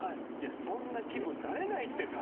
そんな気分になれないって。